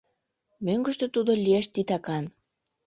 Мӧҥгыштӧ тудо лиеш титакан.